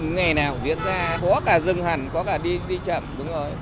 ngày nào cũng diễn ra có cả dừng hẳn có cả đi chậm đúng rồi